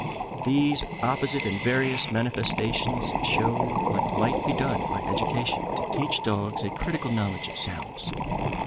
These opposite and various manifestations show what might be done by education to teach dogs a critical knowledge of sounds.